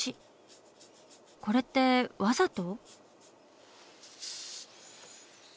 これってわざと？